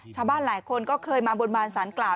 ชาวบ้านหลายคนก็เคยมาบนบานสารกล่าว